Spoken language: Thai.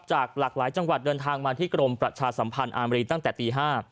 จากหลากหลายจังหวัดเดินทางมาที่กรมประชาสัมพันธ์อามรีตั้งแต่ตี๕